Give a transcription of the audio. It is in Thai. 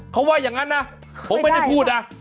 เขาว่าอย่างนั้นนะผมไม่ได้พูดนะ